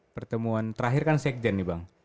pertemuan terakhir kan sekjen nih bang